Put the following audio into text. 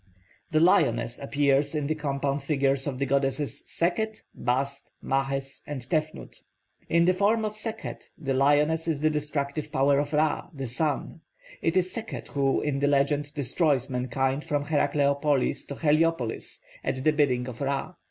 The lioness appears in the compound figures of the goddesses Sekhet, Bast, Mahes, and Tefnut. In the form of Sekhet the lioness is the destructive power of Ra, the sun: it is Sekhet who, in the legend, destroys mankind from Herakleopolis to Heliopolis at the bidding of Ra.